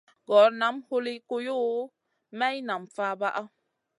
Gor nam huli kuyuʼu, maï nam fabaʼa.